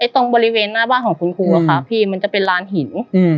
ตรงบริเวณหน้าบ้านของคุณครูค่ะพี่มันจะเป็นลานหิน